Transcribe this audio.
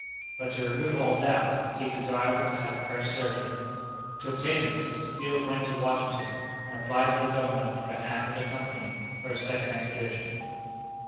But to remove all doubt it seemed desirable to have a fresh survey. To obtain this, Mr. Field went to Washington and applied to the Government in behalf of the Company for a second expedition.